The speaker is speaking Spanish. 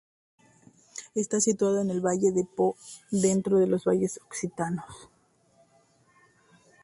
Está situado en el valle del Po, dentro de los Valles Occitanos.